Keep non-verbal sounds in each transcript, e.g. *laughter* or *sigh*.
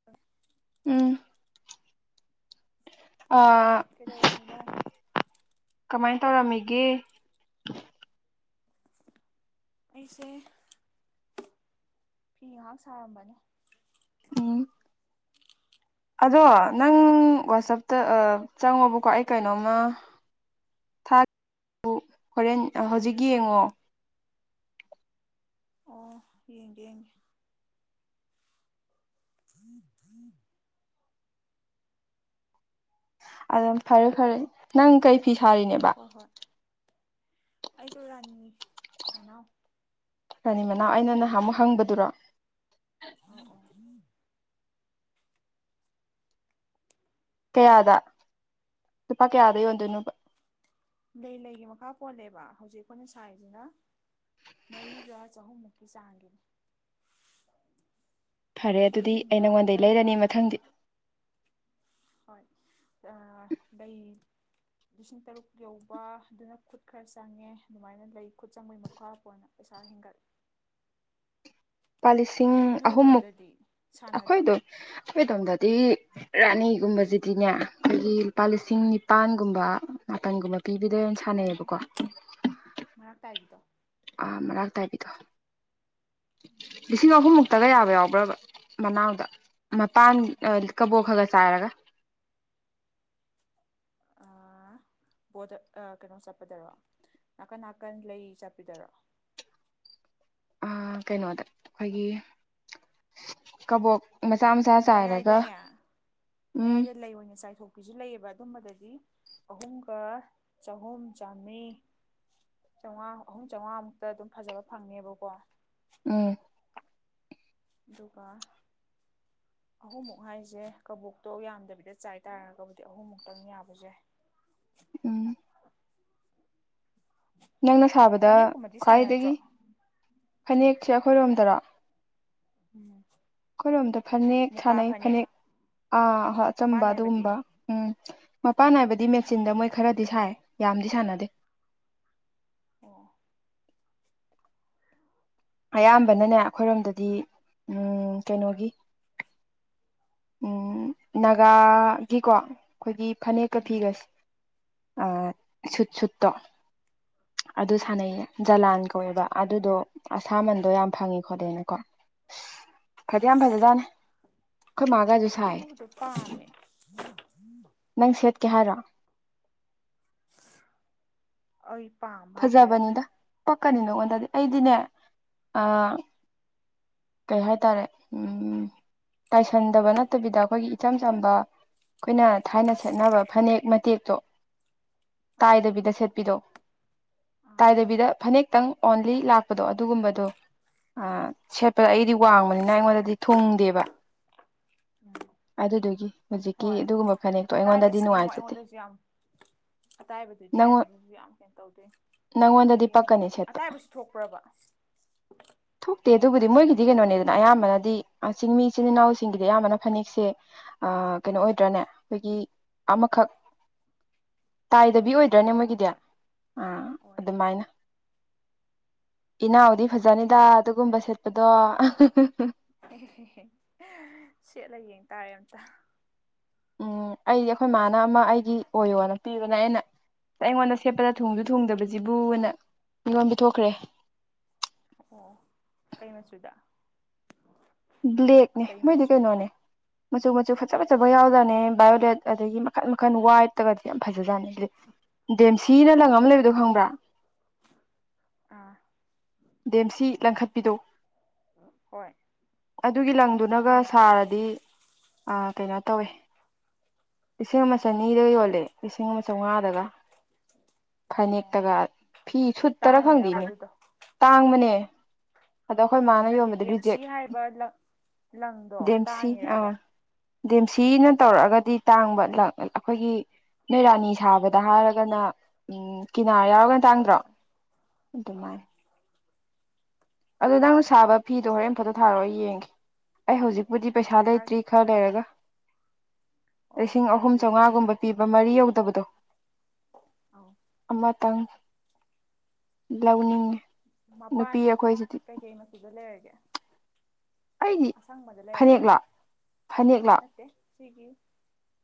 *unintelligible* ꯎꯝ *unintelligible* ꯀꯩꯗꯧꯔꯝꯃꯤꯅꯣ? ꯀꯃꯥꯏ ꯇꯧꯔꯝꯃꯤꯒꯦ ꯑꯩꯁꯦ ꯐꯤ ꯉꯍꯥꯛ ꯁꯥꯔꯝꯕꯅꯦ ꯎꯝ ꯑꯗꯣ ꯅꯪ ꯋꯥꯆꯞꯇ ꯑ ꯆꯪꯉꯣꯕꯀꯣ ꯑꯩ ꯀꯩꯅꯣꯝꯃ ꯊꯥ ꯍꯣꯔꯦꯟ ꯑ ꯍꯧꯖꯤꯛ ꯌꯦꯡꯉꯣ ꯑꯣ ꯌꯦꯡꯒꯦ ꯌꯦꯡꯒꯦ *inaudible* ꯑꯗꯨꯝ ꯐꯔꯦ ꯐꯔꯦ ꯅꯪ ꯀꯩ ꯐꯤ ꯁꯥꯔꯤꯅꯦꯕ ꯍꯣꯏ ꯍꯣꯏ *inaudible* ꯑꯩꯗꯣ ꯔꯥꯅꯤ ꯃꯅꯥꯎ ꯔꯥꯅꯤ ꯃꯅꯥꯎ ꯃꯔꯥꯛ ꯑꯩꯅ ꯅꯍꯥꯟꯃꯨꯛ ꯍꯪꯕꯗꯨꯔꯣ ꯑꯥꯎ ꯑꯥꯎ ꯀꯌꯥꯗ ꯂꯨꯄꯥ ꯀꯌꯥꯗ ꯌꯣꯟꯗꯣꯏꯅꯣꯕ ꯂꯩ ꯂꯩꯒꯤ ꯃꯈꯥ ꯄꯣꯜꯂꯦꯕ ꯍꯧꯖꯤꯛ ꯑꯩꯈꯣꯏꯅ ꯁꯥꯏꯔꯤꯁꯤꯅ ꯃꯔꯤꯒ ꯆꯥꯍꯨꯝꯃꯨꯛꯀꯤ ꯆꯥꯡꯒꯤꯅꯤ ꯐꯔꯦ ꯁꯤꯗꯩ ꯑꯗꯨꯗꯤ ꯑꯩ ꯍꯦꯟꯕ ꯅꯉꯣꯟꯗꯩ ꯇꯔꯨꯛ ꯂꯩꯔꯅꯤ ꯃꯊꯪꯗꯤ ꯍꯣꯏ ꯑꯥ ꯂꯩ ꯂꯤꯁꯤꯡ ꯇꯔꯨꯛ ꯌꯧꯕ ꯑꯗꯨꯅ ꯈꯨꯠ ꯈꯔ ꯆꯪꯉꯦ ꯑꯗꯨꯃꯥꯏꯅ ꯂꯩ ꯈꯨꯠ ꯆꯪꯕꯩ ꯃꯈꯥ ꯄꯣꯟꯅ ꯄꯩꯁꯥ ꯍꯦꯟꯒꯠꯂꯦ ꯂꯨꯄꯥ ꯂꯤꯁꯤꯡ ꯅꯣꯏ ꯑꯍꯨꯝꯃꯨꯛ ꯑꯗꯣꯝꯗꯗꯤ ꯁꯥꯟꯅꯗ꯭ꯔꯣ ꯑꯩꯈꯣꯏꯗꯣ ꯑꯩꯈꯣꯏꯗꯣꯝꯗꯗꯤ ꯔꯥꯅꯤꯒꯨꯝꯕꯁꯤꯗꯤꯅꯦ ꯑꯩꯈꯣꯏꯒꯤ ꯂꯨꯄꯥ ꯂꯤꯁꯤꯡ ꯅꯤꯄꯥꯟꯒꯨꯝꯕ ꯃꯥꯄꯟꯒꯨꯝꯕ ꯄꯤꯕꯤꯗꯣꯏ ꯑꯣ ꯁꯥꯟꯅꯩꯌꯦꯕꯀꯣ ꯃꯔꯥꯛ ꯇꯥꯥꯏꯕꯤꯗꯣ ꯑꯥ ꯃꯔꯥꯛ ꯇꯥꯏꯕꯤꯗꯣ ꯂꯤꯁꯤꯡ ꯑꯍꯨꯝꯃꯨꯛꯇꯒ ꯌꯥꯕ ꯌꯥꯎꯕ꯭ꯔꯕ ꯃꯅꯥꯎꯗ ꯃꯄꯥꯟ ꯑ ꯀꯕꯣꯛ ꯈꯒ ꯆꯥꯏꯔꯒ ꯑꯥ ꯕꯣꯗ ꯑ ꯀꯩꯅꯣ ꯆꯠꯄꯗꯔꯣ ꯅꯥꯀꯟ ꯅꯥꯀꯟ ꯂꯩ ꯆꯠꯄꯤꯗꯔꯣ ꯎꯝ ꯀꯩꯅꯣꯗ ꯑꯩꯈꯣꯏꯒꯤ ꯀꯕꯣꯛ ꯃꯆꯥ ꯃꯆꯥ ꯆꯥꯏꯔꯒ ꯃꯌꯥꯏꯗꯅꯦ ꯎꯝ ꯃꯌꯥꯏꯗ ꯂꯩ ꯑꯣꯏꯅ ꯆꯥꯏꯊꯣꯛ ꯄꯤꯁꯨ ꯂꯩꯌꯦꯕ ꯑꯗꯨꯝꯕꯗꯗꯤ ꯑꯍꯨꯝꯒ ꯆꯥꯍꯨꯝ ꯆꯥꯝꯃꯔꯤ ꯆꯥꯎꯉꯥ ꯑꯍꯨꯝ ꯆꯥꯎꯉꯥꯃꯨꯛꯇ ꯑꯗꯨꯝ ꯐꯖꯕ ꯐꯪꯉꯅꯦꯕꯀꯣ ꯎꯝ ꯑꯗꯨꯒ ꯑꯍꯨꯝꯃꯨꯛ ꯍꯥꯏꯁꯦ ꯀꯕꯣꯛꯇꯣ ꯌꯥꯝꯗꯕꯤꯗ ꯆꯥꯏ ꯇꯥꯔꯒꯕꯨꯗꯤ ꯑꯍꯨꯝꯃꯨꯛꯇꯪ ꯌꯥꯕꯁꯨ ꯌꯥꯏ ꯎꯝ ꯅꯪꯅ ꯁꯥꯕꯗ ꯐꯅꯦꯛꯀꯨꯝꯕꯗꯤ ꯁꯥꯟꯅꯗ꯭ꯔꯣ ꯈ꯭ꯋꯥꯏꯗꯒꯤ ꯐꯅꯦꯛꯁꯦ ꯑꯩꯈꯣꯏꯔꯣꯝꯗꯔꯣ ꯎꯝ ꯑꯩꯈꯣꯏꯔꯣꯝꯗ ꯐꯅꯦꯛ ꯁꯥꯟꯅꯩ ꯐꯅꯦꯛ ꯑꯥ ꯍꯣꯏ ꯃꯄꯥꯟ ꯑꯆꯝꯕ ꯅꯥꯏꯕꯗꯤ ꯑꯗꯨꯒꯨꯝꯕ ꯎꯝ ꯃꯄꯥꯟ ꯅꯥꯏꯕꯗꯤ ꯃꯦꯆꯤꯟꯗ ꯃꯣꯏ ꯈꯔꯗꯤ ꯁꯥꯏ ꯌꯥꯝꯗꯤ ꯁꯥꯟꯅꯗꯦ ꯑꯣ ꯑꯌꯥꯝꯕꯅꯅꯦ ꯑꯩꯈꯣꯏꯔꯣꯝꯗꯗꯤ ꯎꯝ ꯀꯩꯅꯣꯒꯤ ꯎꯝ ꯅꯥꯒꯥꯒꯤꯀꯣ ꯑꯩꯈꯣꯏꯒꯤ ꯐꯅꯦꯛꯀ ꯎꯝ ꯐꯤꯒꯁꯦ ꯑ ꯁꯨꯠ ꯁꯨꯠꯇꯣ ꯑꯗꯨ ꯑꯣ ꯁꯥꯟꯅꯩꯌꯦ ꯖꯂꯥꯟ ꯀꯧꯋꯦꯕ ꯑꯗꯨꯗꯣ ꯑꯁꯥꯃꯟꯗꯣ ꯌꯥꯝ ꯐꯪꯉꯤ ꯈꯣꯠꯂꯦꯅꯀꯣ ꯑꯁ ꯐꯗꯤ ꯌꯥꯝ ꯑꯩꯁ ꯐꯖꯖꯥꯅꯤ ꯑꯗꯨꯗꯣ ꯄꯥꯝꯃꯦ ꯅꯪ ꯁꯦꯠꯀꯦ ꯍꯥꯏꯔꯣ ꯑꯩ ꯄꯥꯝ ꯐꯖꯕꯅꯤꯗ ꯄꯛꯀꯅꯤ ꯅꯉꯣꯟꯗꯗꯤ ꯑꯩꯗꯤꯅꯦ ꯑ ꯀꯩ ꯍꯥꯏꯇꯥꯔꯦ ꯎ ꯇꯥꯏꯁꯟꯗꯕ ꯅꯠꯇꯕꯤꯗ ꯑꯩꯈꯣꯏꯒꯤ ꯏꯆꯝ ꯆꯝꯕ ꯑꯩꯈꯣꯏꯅ ꯊꯥꯏꯅ ꯁꯦꯠꯅꯕ ꯐꯅꯦꯛ ꯃꯇꯦꯛꯇꯣ ꯑꯥ ꯇꯥꯏꯗꯕꯤꯗ ꯁꯦꯠꯄꯤꯔꯣ ꯑꯥ ꯇꯥꯏꯗꯕꯤꯗ ꯐꯅꯦꯛꯇꯪ ꯑꯣꯟꯂꯤ ꯂꯥꯛꯄꯗꯣ ꯑꯗꯨꯒꯨꯝꯕꯗꯣ ꯑꯥ ꯁꯦꯞ ꯑꯩꯗꯤ ꯋꯥꯡꯕꯅꯤꯅ ꯑꯩꯉꯣꯟꯗꯗꯤ ꯊꯨꯡꯗꯦꯕ ꯎꯝ ꯑꯗꯨꯗꯨꯒꯤ ꯍꯧꯖꯤꯛꯀꯤ ꯍꯣꯏ ꯑꯗꯨꯒꯨꯝꯕ ꯐꯅꯦꯛꯇꯣ ꯑꯩꯉꯣꯟꯗꯗꯤ ꯑꯇꯥꯏꯕꯗꯨꯗꯤ ꯑꯃꯨꯛ ꯅꯨꯡꯉꯥꯏꯖꯗꯦ ꯑꯩꯉꯣꯟꯗꯁꯨ ꯌꯥꯝ ꯑꯇꯥꯏꯕꯗꯨꯗꯤ ꯅꯪꯉꯣꯟ ꯑꯩꯉꯣꯟꯗꯁꯨ ꯌꯥꯝ ꯀꯦꯟꯅ ꯇꯧꯗꯣꯏ ꯅꯪꯉꯣꯟꯗꯗꯤ ꯍꯥꯏꯗꯤ ꯑꯃꯨꯛ ꯄꯛꯀꯅꯤ ꯁꯦꯠꯄ ꯑꯇꯥꯏꯕꯁꯨ ꯊꯣꯛꯄ꯭ꯔꯕ ꯊꯣꯛꯇꯦ ꯑꯗꯨꯕꯨꯗꯤ ꯃꯣꯏꯒꯤꯗꯤ ꯇꯥꯏꯁꯟꯅꯕꯁꯨ ꯀꯩꯅꯣꯅꯦꯗꯅ ꯊꯣꯛꯄ꯭ꯔꯥ ꯑꯌꯥꯝꯕ ꯑꯌꯥꯝꯕꯅꯗꯤ ꯆꯤꯡꯃꯤꯆꯤꯟ ꯏꯅꯥꯎꯁꯤꯡꯒꯤꯗꯤ ꯑꯌꯥꯝꯕꯅ ꯐꯅꯦꯛꯁꯦ ꯀꯩꯅꯣ ꯑꯣꯏꯗ꯭ꯔꯥꯅꯦ ꯑꯩꯈꯣꯏꯒꯤ ꯑꯃꯈꯛ ꯇꯥꯏꯗꯕꯤ ꯑꯣ ꯑꯣꯏꯗ꯭ꯔꯅꯦ ꯍꯣꯏ ꯃꯣꯏꯒꯤꯗꯤ ꯍꯣꯏ ꯑꯥ ꯍꯣꯏ ꯑꯣꯏ ꯑꯗꯨꯃꯥꯏꯅ ꯏꯅꯥꯎꯗꯤ ꯐꯖꯅꯤꯗ ꯑꯗꯨꯒꯨꯝꯕ ꯁꯦꯠꯄꯗꯣ ꯑꯦ ꯑꯦ ꯁꯦꯠꯂ ꯌꯦꯡ ꯇꯥꯔꯦ ꯑꯝꯇ ꯎꯝ ꯑꯩꯗꯤ ꯑꯩꯈꯣꯏ ꯏꯃꯅ ꯑꯃ ꯑꯩꯒꯤ ꯑꯣꯏꯌꯣꯅ ꯄꯤꯕꯅꯦ ꯑꯩꯅ ꯑꯩꯉꯣꯟꯗ ꯁꯦꯠꯄꯗ ꯊꯣꯡꯁꯨ ꯊꯣꯡꯗꯕꯁꯤꯕꯨ ꯃꯤꯉꯣꯟ ꯄꯊꯣꯛꯈ꯭ꯔꯦ ꯑꯣ ꯀꯩꯅꯣ ꯁꯗ ꯕ꯭ꯂꯦꯛꯅꯦ ꯃꯣꯏꯗꯤ ꯀꯩꯅꯣꯅꯦ ꯃꯆꯨ ꯃꯆꯨ ꯐꯖ ꯐꯖꯕ ꯌꯥꯎꯗꯅꯦ ꯕꯥꯏꯑꯣꯗꯦꯠ ꯑꯗꯒꯤ ꯃꯈꯟ ꯃꯈꯟ ꯋꯥꯏꯗꯠꯇꯒꯗꯤ ꯌꯥꯝ ꯐꯖꯥꯠꯅꯤ ꯗꯦꯝꯁꯤꯅ ꯂꯪ ꯑꯃ ꯂꯩꯕꯗꯣ ꯈꯥꯡꯕ꯭ꯔꯥ ꯑꯥ ꯗꯦꯝꯁꯤ ꯂꯪꯈꯠꯄꯤꯗꯨꯣ ꯍꯣꯏ ꯑꯗꯨꯒꯤ ꯂꯪꯗꯨꯅꯒ ꯈꯪꯉꯦ ꯈꯪꯉꯦ ꯁꯥꯔꯗꯤ ꯑꯥ ꯀꯩꯅꯣ ꯇꯧꯋꯦ ꯂꯤꯁꯤꯡ ꯑꯃ ꯆꯅꯤꯗ ꯌꯣꯜꯂꯦ ꯂꯤꯁꯤꯡ ꯑꯃ ꯆꯥꯝꯃꯉꯥꯗꯒ ꯑꯣ ꯐꯅꯦꯛꯇꯒ ꯐꯤ ꯁꯨꯠ ꯇꯔꯥ ꯇꯥꯡꯉꯤꯔꯕ ꯈꯪꯗꯦꯅꯦ ꯑꯗꯨꯗꯣ ꯇꯥꯡꯕꯅꯦ ꯑꯗꯣ ꯑꯩꯈꯣꯏ ꯃꯥꯅ ꯅꯠꯇꯦ ꯌꯣꯟꯕꯗ ꯔꯤꯖꯦꯛ ꯗꯦꯝꯁꯤ ꯍꯥꯏꯕ ꯂꯪ ꯂꯪꯗꯣ ꯗꯦꯝꯁꯤ ꯑꯥ ꯇꯥꯡꯉꯤꯔꯕ ꯗꯦꯝꯁꯤꯅ ꯇꯧꯔꯛꯑꯒꯗꯤ ꯇꯥꯡꯕ *unintelligible* ꯑꯩꯈꯣꯏꯒꯤ ꯅꯣꯏꯔꯥꯅꯤ ꯁꯥꯕꯗ ꯍꯥꯏꯔꯒꯅ ꯎꯝ ꯀꯤꯅꯥꯔ ꯌꯥꯎꯔꯒ ꯍꯣꯏ ꯇꯥꯡꯗ꯭ꯔꯣ ꯍꯣꯏ ꯑꯧ ꯑꯗꯨꯃꯥꯏꯅ ꯑꯗꯨꯗꯣ ꯅꯪꯅ ꯁꯥꯕ ꯐꯤꯗꯣ ꯍꯣꯔꯦꯟꯝꯐꯇ ꯊꯥꯔꯛ ꯌꯦꯡꯒꯦ ꯑꯩ ꯍꯧꯖꯤꯛꯄꯨꯗꯤ ꯄꯩꯁꯥ ꯊꯥꯔꯛ ꯂꯩꯇ꯭ꯔꯤ ꯈꯔ ꯂꯩꯔꯒ ꯍꯣꯏ ꯍꯣꯏ ꯂꯤꯁꯤꯡ ꯑꯍꯨꯝ ꯊꯥꯔꯛꯀꯦ ꯆꯥꯝꯃꯉꯥꯒꯨꯝꯕ ꯄꯤꯕ ꯃꯔꯤ ꯌꯧꯗꯕꯗꯣ ꯑꯥꯎ ꯑꯃꯇꯪ ꯂꯧꯅꯤꯡꯉꯤ ꯃꯄꯥꯟ ꯀꯩꯀꯩ ꯃꯆꯨꯗ ꯂꯩꯔꯒꯦ ꯑꯩꯗꯤ ꯑꯁꯪꯕꯗ ꯐꯅꯦꯛ ꯂꯩꯔꯕꯣ ꯂꯥ ꯐꯅꯦꯛ *unintelligible* ꯁꯤꯒꯤ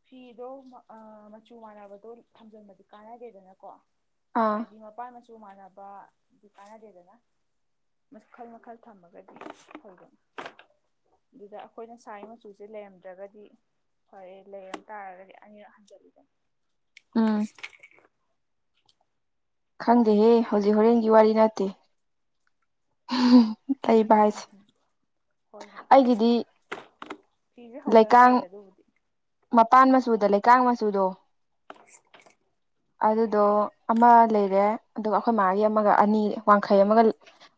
ꯐꯤꯗꯣ ꯃꯆꯨ ꯃꯥꯟꯅꯕꯗꯣ ꯊꯝꯖꯤꯟꯕꯗꯤ ꯀꯥꯟꯅꯗꯦꯗꯅꯀꯣ ꯑꯥ ꯍꯥꯏꯗꯤ ꯃꯄꯥꯟ ꯃꯆꯨ ꯃꯥꯟꯅꯕꯗꯤ ꯀꯥꯟꯅꯗꯦꯗꯅ ꯃꯈꯜ ꯃꯈꯜ ꯊꯝꯃꯒꯗꯤ *unintelligible* ꯑꯗꯨꯗ ꯑꯩꯈꯣꯏꯅ ꯁꯥꯏ ꯃꯆꯨꯁꯦ ꯂꯩꯔꯝ ꯗ꯭ꯔꯒꯗꯤ ꯐꯔꯦ ꯂꯩꯔꯝ ꯇꯥꯔꯒꯗꯤ ꯑꯅꯤꯔꯛ ꯍꯟꯖꯜꯂꯤꯗꯅ ꯎꯝ *inaudible* ꯈꯪꯗꯦꯍꯦ ꯍꯧꯖꯤꯛ ꯍꯣꯔꯦꯟꯒꯤ ꯋꯥꯔꯤ ꯅꯠꯇꯦ ꯇꯩꯕ ꯍꯥꯏꯖꯦ ꯎꯝ ꯍꯣꯏ ꯍꯣꯏ ꯐꯤꯖꯦ ꯍꯧꯗ ꯂꯩꯀꯥꯡ ꯉꯥꯏꯔꯤꯗ ꯑꯗꯨꯕꯨꯗꯤ ꯃꯄꯥꯟ ꯃꯆꯨꯗ ꯂꯩꯀꯥꯡ ꯃꯆꯨꯗꯣ ꯑꯗꯨꯗꯣ ꯑꯥ ꯑꯃ ꯂꯩꯔꯦ ꯑꯗꯨꯒ ꯑꯈꯣꯏ ꯃꯥꯒꯤ ꯑꯃꯒ ꯑꯅꯤ ꯋꯥꯡꯈꯩ ꯑꯃꯒ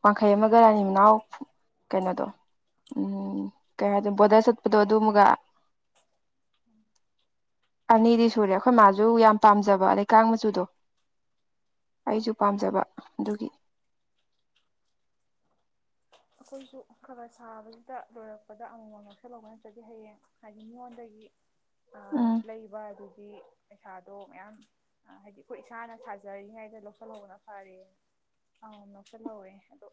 ꯋꯥꯡꯈꯩ ꯑꯃꯒ ꯗꯨꯒ ꯔꯥꯅꯤ ꯃꯅꯥꯎ ꯀꯩꯅꯣꯗꯣ ꯎꯝ ꯀꯩ ꯍꯥꯏꯗꯣꯏꯅꯣ ꯕꯣꯔꯗꯔ ꯆꯠꯄꯗꯣ ꯑꯗꯨ ꯃꯒ *inaudible* ꯑꯅꯤꯗꯤ ꯁꯨꯔꯦ ꯑꯩꯈꯣꯏ ꯃꯥꯖꯨ ꯌꯥꯝ ꯄꯥꯝꯖꯕ ꯂꯩꯀꯥꯡ ꯃꯆꯨꯗꯣ ꯍꯣꯏ ꯑꯩꯖꯨ ꯄꯥꯝꯖꯕ ꯑꯗꯨꯒꯤ ꯑꯈꯣꯏꯁꯨ ꯈꯔ ꯈꯔ ꯁꯥꯕꯁꯤꯗ ꯂꯣꯏꯔꯛꯄꯗ ꯑꯃꯃꯝ ꯂꯧꯁꯜ ꯂꯧꯕ ꯅꯠꯇ꯭ꯔꯗꯤ ꯍꯌꯦꯡ ꯍꯥꯏꯗꯤ ꯃꯤꯉꯣꯟꯗꯒꯤ ꯑꯃꯨꯛ ꯎꯝ ꯂꯩꯕ ꯗꯨꯗꯤ ꯄꯩꯁꯥꯗꯣ ꯃꯌꯥꯝ ꯍꯥꯏꯗꯤ ꯑꯩꯈꯣꯏ ꯏꯁꯥꯅ ꯁꯥꯖꯔꯤꯉꯩꯗ ꯂꯧꯁꯜꯍꯧꯕꯅ ꯐꯔꯦ ꯑꯃꯃꯝ ꯂꯧꯁꯟꯍꯧꯋꯦ ꯑꯗꯣ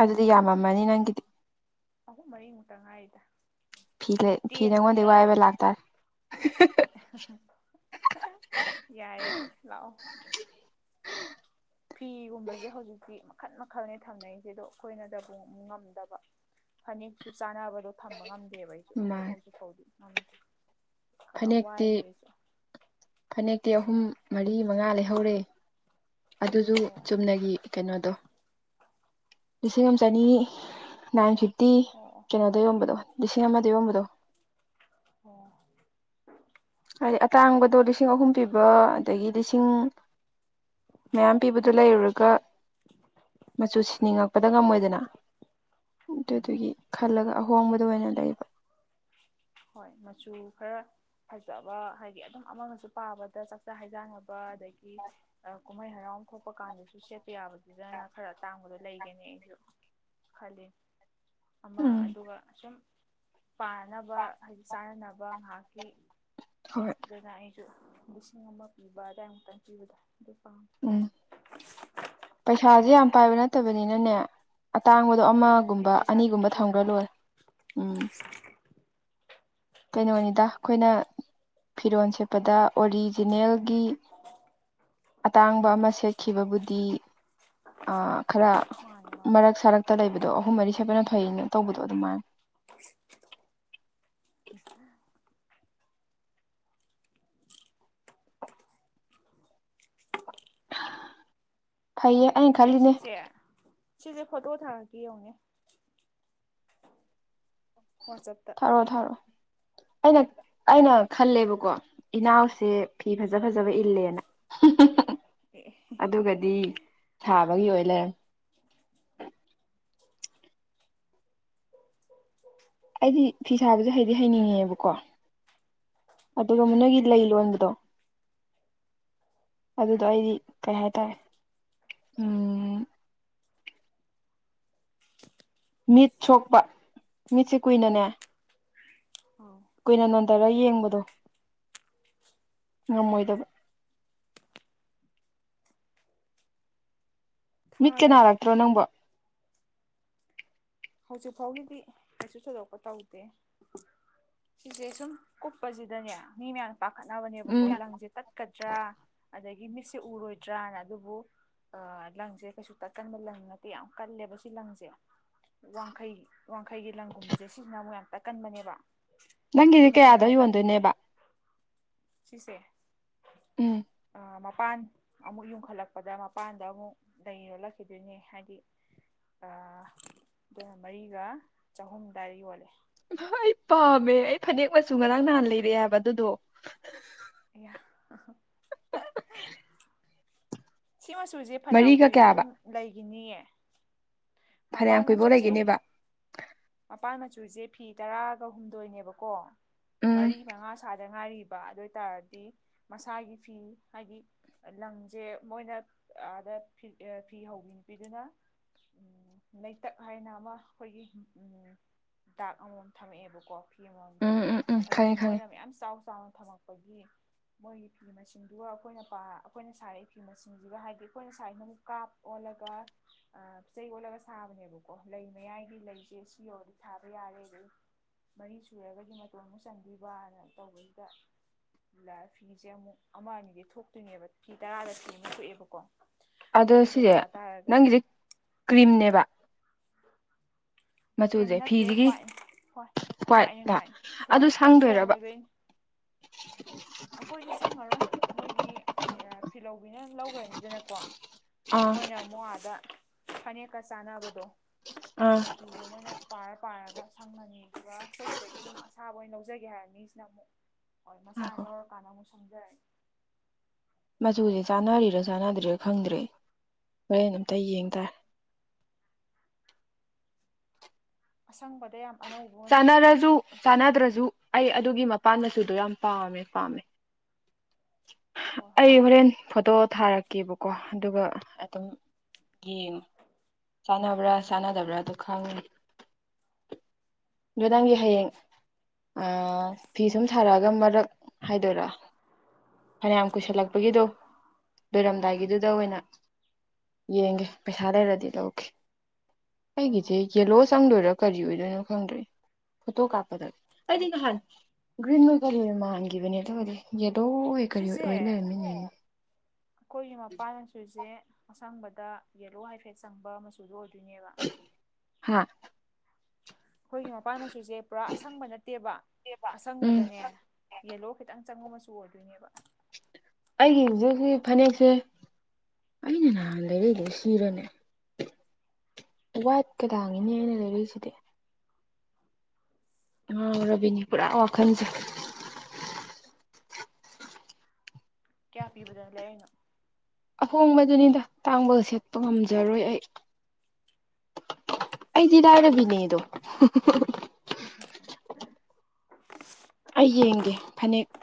ꯑꯗꯨꯗꯤ ꯑꯍꯨꯝ ꯌꯥꯝꯃꯝꯃꯅꯤ ꯅꯪꯒꯤꯗꯤ ꯑꯍꯨꯝ ꯃꯔꯤꯃꯨꯛꯇ ꯉꯥꯏꯔꯤꯗ ꯐꯤ ꯂꯩ ꯐꯤ ꯇꯦꯟꯕ ꯅꯥꯉꯣꯟꯗꯩꯩ ꯌꯥꯎ ꯋꯥꯏꯕ ꯂꯥꯛꯇꯥꯔꯦ ꯌꯥꯏꯌꯦ ꯂꯥꯛꯑꯣ ꯐꯤꯒꯨꯝꯕꯖꯦ ꯍꯧꯖꯤꯛꯇꯤ ꯃꯈꯜ ꯃꯈꯜꯅꯦ ꯊꯝꯅꯩꯖꯦ ꯑꯗꯣ ꯑꯩꯈꯣꯏꯅꯗꯕꯨ ꯃꯨ ꯉꯝꯗꯕ ꯐꯅꯦꯛꯁꯨ ꯆꯥꯅꯕꯗꯣ ꯊꯝꯕ ꯉꯝꯗꯦꯕ ꯑꯩꯖꯨ ꯃꯥꯅꯦ ꯍꯧꯖꯤꯛ ꯐꯥꯎꯗꯤ ꯉꯝꯗ꯭ꯔꯤ ꯐꯅꯦꯛꯇꯤ ꯐꯅꯦꯛꯇꯤ ꯑꯍꯨꯝ ꯃꯔꯤ ꯃꯉꯥ ꯂꯩꯍꯧꯔꯦ ꯑꯗꯨꯖꯨ ꯑꯣ ꯆꯨꯝꯅꯒꯤ ꯀꯩꯅꯣꯗꯣ ꯂꯤꯁꯤꯡ ꯑꯝ ꯆꯅꯤ ꯅꯥꯏꯟ ꯐꯤꯐꯇꯤ ꯑꯣ ꯑꯣ ꯀꯩꯅꯣ ꯗ ꯌꯣꯟꯕꯗꯣ ꯂꯤꯁꯤꯡ ꯑꯃꯗ ꯌꯣꯟꯕꯗꯣ ꯑꯣ ꯍꯥꯏꯗꯤ ꯑꯇꯥꯡꯕꯗꯣ ꯂꯤꯁꯤꯡ ꯑꯍꯨꯝ ꯄꯤꯕ ꯑꯗꯒꯤ ꯂꯤꯁꯤꯡ ꯃꯌꯥꯝ ꯄꯤꯕ ꯑꯗꯨ ꯂꯩꯔꯨꯔꯒ ꯃꯆꯨ ꯁꯤꯅꯤꯡꯉꯛꯄꯗ ꯉꯝꯃꯣꯏꯗꯅ ꯎꯝ ꯑꯗꯨꯗꯨꯒꯤ ꯈꯜꯂꯒ ꯑꯍꯣꯡꯕꯗꯣ ꯑꯣꯏꯅ ꯂꯩꯕ ꯍꯣꯏ ꯃꯆꯨ ꯈꯔ ꯐꯖꯕ ꯍꯥꯏꯗꯤ ꯑꯗꯨꯝ ꯑꯃꯒꯖꯨ ꯄꯥꯕꯗ ꯆꯥꯛꯆꯥ ꯍꯩꯖꯥꯟꯅꯕ ꯑꯗꯒꯤ ꯀꯨꯝꯍꯩ ꯍꯔꯥꯎ ꯊꯣꯛꯄ ꯀꯥꯟꯗꯁꯨ ꯁꯦꯠꯄ ꯌꯥꯕꯗꯨꯗꯅ ꯈꯔ ꯑꯇꯥꯡꯕꯗꯣ ꯂꯩꯒꯦꯅ ꯑꯩꯖꯨ ꯈꯜꯂꯤꯅꯤ ꯑꯃ ꯎꯝ ꯑꯗꯨꯒ ꯁꯨꯝ ꯄꯥꯅꯕ ꯍꯥꯏꯗꯤ ꯆꯥꯅꯅꯕ ꯉꯥꯏꯍꯥꯛꯀꯤ ꯍꯣꯏ ꯑꯗꯨꯅ ꯑꯩꯖꯨ ꯂꯤꯁꯤꯡ ꯑꯃ ꯄꯤꯕ ꯑꯗꯥꯏ ꯃꯨꯛꯇꯪ ꯄꯤꯕꯗꯣ ꯑꯗꯨ ꯄꯥꯝꯃꯦ ꯎꯝ ꯄꯩꯁꯥꯖꯦ ꯌꯥꯝ ꯄꯥꯏꯕ ꯍꯧꯖꯤꯛ ꯅꯠꯇꯕꯅꯤꯅꯅꯦ ꯑꯇꯥꯡꯕꯗꯣ ꯃꯥꯅꯦ ꯍꯧꯖꯤꯛꯇꯤ ꯑꯃꯒꯨꯝꯕ ꯄꯩꯁꯥ ꯑꯅꯤꯒꯨꯝꯕ ꯊꯝꯒ꯭ꯔꯥ ꯊꯣꯛꯇ꯭ꯔꯤꯕꯅꯤꯅ ꯂꯣꯏꯔꯦ ꯎꯝ ꯀꯩꯅꯣꯅꯤꯗ ꯑꯩꯈꯣꯏꯅ ꯐꯤꯔꯣꯜ ꯁꯦꯠꯄꯗ ꯑꯣꯔꯤꯖꯤꯅꯦꯜꯒꯤ ꯑꯇꯥꯡꯕ ꯑꯃ ꯁꯦꯠꯈꯤꯕꯕꯨꯗꯤ ꯑꯥ ꯈꯔ ꯃꯥꯅꯦ ꯃꯥꯅꯦ ꯃꯔꯛ ꯁꯥꯔꯛꯇ ꯂꯩꯕꯗꯣ ꯑꯍꯨꯝ ꯃꯔꯤ ꯁꯦꯠꯄꯅ ꯐꯩꯌꯦꯅ ꯇꯧꯕꯗꯣ ꯑꯗꯨꯃꯥꯏꯅ *inaudible* ꯐꯩꯌꯦ ꯑꯩꯅ ꯑꯩ ꯈꯜꯂꯤꯅꯦ ꯁꯤꯁꯦ ꯁꯤꯁꯦ ꯐꯣꯇꯣ ꯊꯥꯔꯀꯦ ꯌꯥꯡꯑꯣ ꯅꯤ ꯋꯥꯆꯞꯇ ꯊꯔꯣ ꯊꯔꯣ ꯑꯩꯅ ꯑꯩꯅ ꯈꯜꯂꯦꯕꯀꯣ ꯏꯅꯥꯎꯁꯦ ꯐꯤ ꯐꯖ ꯎꯝ ꯐꯖꯕ ꯏꯜꯂꯦꯅ *unintelligible* ꯑꯦ ꯑꯦ ꯑꯗꯨꯒꯗꯤ ꯁꯥꯕꯒꯤ ꯑꯣꯏ ꯂꯩꯔꯝꯃꯦ *unintelligible* ꯑꯩꯗꯤ ꯐꯤ ꯁꯥꯕꯁꯦ ꯍꯥꯏꯗꯤ ꯍꯩꯅꯤꯡꯉꯦꯕꯀꯣ ꯑꯗꯨꯒ ꯅꯣꯏꯒꯤ ꯂꯩ ꯂꯣꯟꯕꯗꯣ ꯑꯗꯨꯗꯣ ꯑꯩꯗꯤ ꯀꯩ ꯍꯥꯏꯇꯥꯔꯦ ꯎꯝ ꯃꯤꯠ ꯁꯣꯛꯄ ꯃꯤꯠꯁꯦ ꯀꯨꯏꯅꯅꯦ ꯑꯧ ꯀꯨꯏꯅ ꯅꯣꯟꯊꯔ ꯌꯦꯡꯕꯗꯣ ꯉꯝꯃꯣꯏꯗꯕ ꯃꯤꯠꯀꯥ ꯊꯥꯔꯕꯅꯦ ꯅꯥꯔꯛꯇ꯭ꯔꯣ ꯅꯪꯕꯣ ꯍꯧꯖꯤꯛ ꯐꯥꯎꯒꯤꯗꯤ ꯀꯩꯁꯨ ꯊꯣꯏꯗꯣꯛꯄ ꯇꯧꯗꯦ ꯁꯤꯁꯦ ꯁꯨꯝ ꯀꯨꯞꯄꯁꯤꯗꯅꯦ ꯃꯤ ꯃꯌꯥꯝ ꯄꯥꯈꯠꯅꯕꯅꯦꯕꯀꯣ ꯎꯝ ꯂꯪꯁꯦ ꯇꯠ ꯀꯗ꯭ꯔꯥ ꯑꯗꯒꯤ ꯃꯤꯠꯁꯦ ꯎꯔꯣꯏꯗ꯭ꯔꯥꯅ ꯑꯗꯨꯕꯨ ꯑꯥ ꯂꯪꯁꯦ ꯀꯩꯁꯨ ꯇꯠꯀꯟꯕ ꯂꯪ ꯅꯠꯇꯦ ꯌꯥꯝ ꯀꯜꯂꯦꯕ ꯁꯤ ꯂꯪꯁꯦ ꯋꯥꯡꯈꯩ ꯋꯥꯡꯈꯩꯒꯤ ꯂꯪꯒꯨꯝꯕꯁꯦ ꯁꯤꯁꯤꯅ ꯑꯃꯨꯛ ꯌꯥꯝ ꯇꯥꯠꯀꯟꯕꯅꯦꯕ ꯅꯪꯒꯤꯗꯤ ꯁꯨꯝꯕꯁꯤꯅ ꯀꯌꯥꯗ ꯇꯥꯠꯀꯟꯗ꯭ꯔꯦ ꯌꯣꯟꯗꯣꯏꯅꯦꯕ ꯁꯤꯁꯦ ꯎꯝ ꯑꯥ ꯃꯄꯟ ꯑꯃꯨꯛ ꯌꯨꯡꯈꯠꯂꯛꯄꯗ ꯃꯄꯥꯟꯗ ꯑꯃꯨꯛ ꯂꯩ ꯂꯣꯡꯂꯛꯈꯤꯗꯣꯏꯅꯦ ꯍꯥꯏꯗꯤ ꯑꯥ ꯑꯗꯨꯅ ꯃꯔꯤꯒ ꯆꯍꯨꯝ ꯑꯗꯨꯋꯥꯏ ꯌꯣꯜꯂꯦ ꯏꯃꯥ ꯑꯩ ꯄꯥꯝꯃꯦ ꯑꯩ ꯐꯅꯦꯛ ꯃꯆꯨ ꯉꯔꯥꯡ ꯅꯍꯥꯟ ꯂꯩꯔꯛꯑꯦ ꯍꯥꯏꯕ ꯑꯗꯨꯗꯣ ꯑꯌꯥ *unintelligible* ꯁꯤ ꯃꯆꯨꯁꯦ ꯐꯅꯌꯥꯝ ꯃꯔꯤꯒ ꯀꯨꯏꯕꯧ ꯀꯌꯥꯕ ꯑꯗꯨꯝ ꯂꯩꯒꯤꯅꯤꯌꯦ ꯐꯅꯌꯥꯝ ꯃꯄꯥꯟ ꯀꯨꯏꯕꯧ ꯃꯆꯨꯖꯦ ꯂꯩꯒꯤꯅꯦꯕ ꯃꯄꯥꯟ ꯃꯆꯨꯁꯦ ꯐꯤ ꯇꯔꯥꯒ ꯍꯨꯝꯗꯣꯏꯅꯦꯕꯀꯣ ꯎꯝ ꯃꯔꯤ ꯃꯉꯥ ꯁꯔ ꯗ ꯉꯥꯏꯔꯤꯕ ꯑꯗꯨ ꯑꯣꯏꯇꯥꯔꯗꯤ ꯃꯁꯥꯒꯤ ꯐꯤ ꯍꯥꯏꯗꯤ ꯂꯪꯁꯦ ꯃꯣꯏꯅ ꯑꯥꯗ ꯐ ꯐꯤ ꯍꯧꯕꯤ ꯅꯨꯄꯤꯗꯨꯅ ꯎꯝ ꯂꯩꯇꯛ ꯍꯥꯏꯅ ꯑꯃ ꯑꯩꯈꯣꯏꯒꯤ ꯎꯝ ꯗꯥꯛ ꯑꯃꯃꯝ ꯊꯝꯃꯛꯑꯦꯕꯀꯣ ꯐꯤ ꯑꯃꯃꯝꯒꯤ ꯎꯝ ꯎꯝ ꯎꯝ ꯑꯗꯨꯗꯣ ꯈꯪꯉꯦ ꯈꯪꯉꯦ ꯃꯣꯏꯅ ꯃꯌꯥꯝ ꯆꯥꯎ ꯆꯥꯎꯅ ꯊꯝꯃꯛ ꯄꯒꯤ ꯃꯣꯏꯒꯤ ꯐꯤ ꯃꯁꯤꯡꯗꯨꯒ ꯑꯩꯈꯣꯏꯅ ꯄꯥ ꯑꯩꯈꯣꯏꯅ ꯁꯥꯔ ꯐꯤ ꯃꯁꯤꯡꯁꯤꯒ ꯍꯥꯏꯗꯤ ꯑꯩꯈꯣꯏꯅ ꯁꯥꯏꯅ ꯑꯃꯨꯛ ꯀꯥꯞ ꯑꯣꯜꯂꯒ ꯑꯥ ꯆꯩ ꯑꯣꯠꯂꯒ ꯁꯥꯕꯅꯦꯕꯀꯣ ꯂꯩ ꯃꯌꯥꯏꯒꯤ ꯂꯩꯁꯦ ꯁꯤ ꯌꯧꯔꯗꯤ ꯁꯥꯕ ꯌꯥꯔꯦ ꯑ ꯃꯔꯤ ꯁꯨꯔꯒꯗꯤ ꯃꯇꯣꯟ ꯑꯃꯨꯛ ꯆꯪꯕꯤꯕꯅ ꯇꯧꯕꯁꯤꯗ ꯂ ꯐꯤꯁꯦ ꯑꯃꯨꯛ ꯑꯃ ꯑꯅꯤꯗꯤ ꯊꯣꯛꯇꯣꯏꯅꯦꯕ ꯐꯤ ꯇꯔꯥꯗ ꯐꯤ ꯑꯃ ꯊꯣꯛꯑꯦꯕꯀꯣ ꯑꯗꯣ ꯑꯗꯨꯗꯣ ꯁꯤꯁꯦ ꯄꯥ ꯇꯥꯔꯒꯗꯤ ꯅꯪꯒꯤꯁꯦ ꯀ꯭ꯔꯤꯝꯅꯦꯕ *unintelligible* ꯀ꯭ꯔꯤꯝ ꯃꯆꯨꯁꯦ ꯅꯠꯇꯦ ꯐꯤꯁꯤꯒꯤ ꯍ꯭ꯋꯥꯏꯠꯅꯤ ꯍ꯭ꯋꯥꯏ ꯍ꯭ꯋꯥꯏꯠꯅꯤ ꯋꯥ‍꯭ꯌꯏꯂ ꯍ꯭ꯋꯥꯏꯠꯅꯤ ꯑꯗꯨ ꯐꯣꯟ ꯐꯣꯟ ꯁꯪꯗꯣꯏꯔꯕ ꯑꯣꯏꯕꯩꯅꯤ *unintelligible* ꯑꯩꯈꯣꯏꯗꯤ ꯁꯪꯉꯔꯣꯏ ꯃꯣꯏꯒꯤ ꯑ ꯐꯤꯂꯧꯕꯤꯅ ꯂꯧꯈ꯭ꯔꯅꯤꯗꯅꯀꯣ ꯑꯥ ꯃꯣꯏꯅ ꯑꯥꯃꯨꯛ ꯑꯗꯥ ꯐꯅꯦꯛꯀ ꯆꯥꯅꯕꯗꯣ ꯑꯥ ꯃꯆꯨ ꯑꯗꯨ ꯃꯣꯏꯅ ꯄꯥꯔ ꯄꯥꯔꯒ ꯁꯪꯉꯅꯤ ꯑꯗꯨꯒ ꯈꯣꯏꯁꯤꯗꯒꯤ ꯑꯗꯨꯝ ꯑꯁꯥꯕ ꯑꯣꯏꯅ ꯂꯧꯖꯒꯦ ꯍꯥꯏ ꯃꯤꯁꯤꯅ ꯑꯃꯨꯛ *inaudible* ꯍꯣꯏ ꯃꯁꯥꯅ ꯉꯥꯏꯈꯣ ꯂꯧꯔꯀꯥꯟꯗ ꯑꯃꯨꯛ ꯁꯪꯖꯔꯅꯤ ꯃꯆꯨꯁꯦ ꯆꯥꯟꯅꯔꯤꯔꯥ ꯆꯥꯟꯅꯗ꯭ꯔꯤꯔ ꯈꯪꯗ꯭ꯔꯦ ꯍꯣꯔꯦꯟ ꯑꯝꯇ ꯌꯦꯡ ꯇꯥꯔꯦ ꯑꯁꯪꯕꯗ ꯌꯥꯝ ꯑꯅꯧꯕ ꯃꯆꯨꯗꯨꯅꯤ ꯆꯥꯟꯅꯔꯁꯨ ꯃꯆꯧꯗꯨꯅꯤ ꯆꯥꯟꯅꯗ꯭ꯔꯁꯨ ꯑꯩ ꯑꯗꯨꯒꯤ ꯃꯄꯥꯟ ꯃꯆꯨꯗꯣ ꯌꯥꯝ ꯄꯥꯝꯃꯦ ꯄꯥꯝꯃꯦ ꯍꯣꯏ ꯍꯣꯏ ꯑꯩ ꯍꯣꯔꯦꯟ ꯐꯣꯇꯣ ꯊꯥꯔꯛ ꯀꯦꯕꯀꯣ ꯑꯗꯨꯒ ꯑꯗꯨꯝ ꯌꯦꯡꯉꯣ ꯆꯥꯟꯅꯕ꯭ꯔꯥ ꯎꯝ ꯆꯥꯟꯅꯗꯕ꯭ꯔꯥꯗꯣ ꯈꯪꯅꯤ ꯑꯗꯣ ꯍꯣꯏ ꯅꯪꯒꯤ ꯎꯝ ꯍꯌꯦꯡ ꯑ ꯐꯤ ꯁꯨꯝ ꯁꯥꯔꯛꯑꯒ ꯃꯔꯛ ꯍꯥꯏꯗꯣꯏꯔ ꯐꯅꯌꯥꯝ ꯀꯨꯏꯁꯜꯂꯛꯄꯒꯤꯗꯣ ꯑꯥ ꯂꯣꯏꯔꯝꯗꯥꯏꯒꯤꯗꯨꯗ ꯑꯣꯏꯅ ꯌꯦꯡꯒꯦ ꯄꯩꯁꯥ ꯂꯩꯔꯗꯤ ꯂꯧꯒꯦ ꯍꯣꯏ ꯑꯩꯒꯤꯖꯦ ꯍꯣꯏ ꯍꯣꯏ ꯌꯦꯂꯣ ꯆꯪꯗꯣꯏꯔ ꯀꯔꯤ ꯑꯣꯏꯗꯣꯏꯅꯣ ꯈꯪꯗ꯭ꯔꯦ ꯐꯣꯇꯣ ꯀꯥꯞꯄꯗ ꯑꯩꯗꯤ ꯅꯍꯥꯟ ꯒ꯭ꯔꯤꯟ *unintelligible* ꯃꯥꯟꯈꯤꯕꯅꯦꯕ ꯑꯗꯨꯒꯗꯤ ꯌꯦꯂꯣ ꯑꯣꯏ ꯀꯔꯤ ꯑꯣꯏ ꯁꯤꯁꯦ ꯑꯣꯏ ꯂꯩꯔꯝꯃꯤꯅꯦ ꯑꯩꯈꯣꯏꯒꯤ ꯃꯄꯥꯥꯟ ꯃꯆꯨꯁꯦ ꯑꯁꯪꯕꯗ ꯌꯦꯂꯣ ꯍꯥꯏꯐꯦꯠ ꯆꯪꯕ ꯃꯆꯨꯗꯣ ꯑꯣꯏꯗꯣꯏꯅꯦꯕ ꯍꯥ ꯈꯣꯏꯒꯤ ꯃꯄꯥꯟ ꯃꯆꯨꯁꯦ ꯄꯨꯔꯥ ꯑꯁꯪꯕ ꯅꯠꯇꯦꯕ ꯎꯝ ꯑꯁꯪꯕꯗꯅꯦ ꯌꯦꯂꯣ ꯈꯤꯇꯪ ꯆꯪꯕ ꯃꯆꯨ ꯑꯣꯏꯗꯣꯏꯅꯦꯕ ꯑꯩꯒꯤ ꯍꯧꯖꯤꯛ ꯍꯧꯖꯤꯛ ꯐꯅꯦꯛꯁꯦ ꯑꯩꯅ ꯅꯍꯥꯟ ꯂꯩꯔꯛꯏꯗꯨ ꯁꯤꯔꯅꯦ ꯋꯥ꯭ꯌꯠꯀ ꯂꯥꯡꯉꯦꯅꯦ ꯑꯩꯅ ꯂꯩꯔꯛꯏꯁꯤꯗꯤ ꯉꯥꯎꯔꯕꯤꯅꯤ ꯄꯨꯔꯥ ꯋꯥꯈꯟꯁꯦ ꯀꯌꯥ ꯄꯤꯕꯗꯅ ꯂꯩꯔꯛꯏꯅꯣ ꯑꯍꯣꯡꯕꯗꯨꯅꯤꯗ ꯇꯥꯡꯕꯒ ꯁꯦꯠꯄ ꯉꯝꯖꯔꯣꯏ ꯑꯩ ꯑꯩꯗꯤ ꯂꯥꯏꯔꯕꯤꯅꯦꯗꯣ *unintelligible* ꯑꯩ ꯌꯦꯡꯒꯦ ꯐꯅꯦꯛꯇꯣ